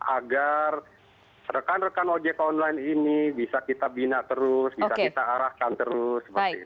agar rekan rekan ojek online ini bisa kita bina terus bisa kita arahkan terus